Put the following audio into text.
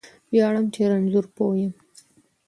ویاړم چې رانځور پوه یم